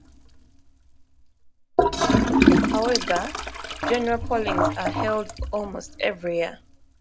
However, General Pollings are held almost every year.